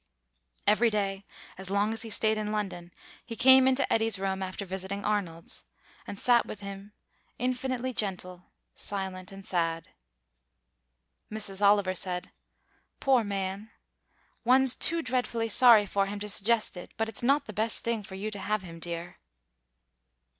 Every day as long as he stayed in London he came into Eddy's room after visiting Arnold's, and sat with him, infinitely gentle, silent, and sad. Mrs. Oliver said, "Poor man, one's too dreadfully sorry for him to suggest it, but it's not the best thing for you to have him, dear."